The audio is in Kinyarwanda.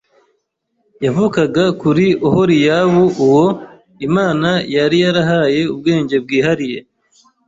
yavukaga kuri Oholiyabu uwo Imana yari yahaye ubwenge bwihariye